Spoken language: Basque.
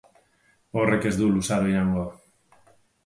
Horrek ez du luzaro iraungo.